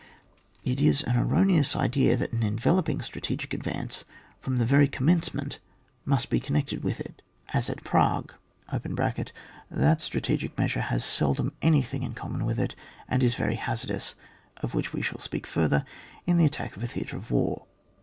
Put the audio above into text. It is an erroneous idea that an enveloping strategic advance from the very com mencement must be connected with it, as 8 ON WAR. [book vu. at Prague. (That strategic measure has seldom anything in common with it, and is very hazardous; of which we shall speak further in the attack of a theatre of war.)